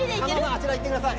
あちら行って下さい。